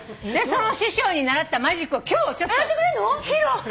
その師匠に習ったマジックを今日ちょっと披露。